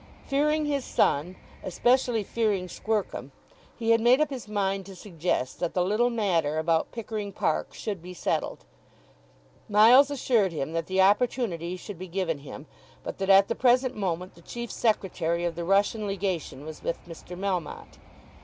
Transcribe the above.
Fearing his son, especially fearing Squercum, he had made up his mind to suggest that the little matter about Pickering Park should be settled. Miles assured him that the opportunity should be given him, but that at the present moment the chief secretary of the Russian Legation was with Mr. Melmotte.